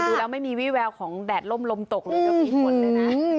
ใช่ดูแล้วไม่มีวี่แววของแดดลมลมตกหรือกับอีกคนเลยนะ